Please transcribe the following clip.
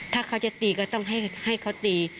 ถ้าเขาจะตีก็ต้องให้เขาตี